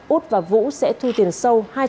út và vũ sẽ thu tiền sâu